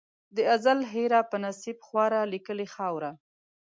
د ازل هېره په نصیب خواره لیکلې خاوره